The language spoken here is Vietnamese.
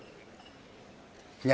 nhà nước can thiệp